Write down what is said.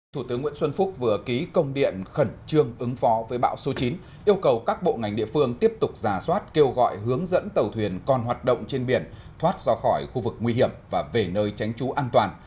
thủ tướng nguyễn xuân phúc vừa ký công điện khẩn trương ứng phó với bão số chín yêu cầu các bộ ngành địa phương tiếp tục giả soát kêu gọi hướng dẫn tàu thuyền còn hoạt động trên biển thoát ra khỏi khu vực nguy hiểm và về nơi tránh trú an toàn